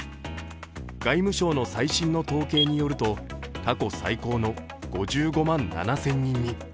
外務省の最新の統計によると過去最高の５５万７０００人に。